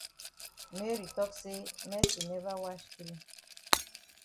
Mary tok say Mercy never wash clean.